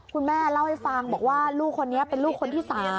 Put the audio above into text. คุณแม่เล่าให้ฟังบอกว่าลูกคนนี้เป็นลูกคนที่๓